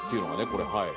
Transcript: これはい。